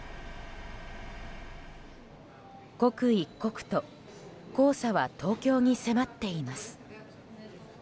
刻一刻と黄砂は東京に迫っています。